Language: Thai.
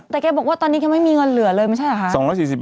แต่แกบอกว่าตอนนี้แกไม่มีเงินเหลือเลยไม่ใช่เหรอคะ